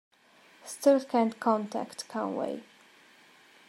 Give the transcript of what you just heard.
Still can't contact Conway.